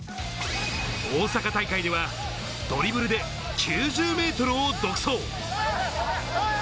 大阪大会ではドリブルで９０ｍを独走。